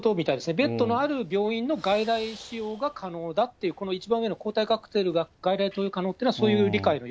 ベッドのある病院の外来使用が可能だっていう、一番上の抗体カクテルが外来投与可能というのはそういう理解のよ